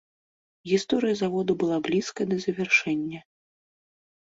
Гісторыя завода была блізкая да завяршэння.